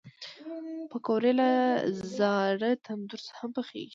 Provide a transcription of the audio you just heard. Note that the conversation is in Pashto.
پکورې له زاړه تندور سره هم پخېږي